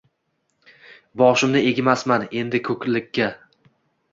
Boshimni egmasman endi ko‘rlikka.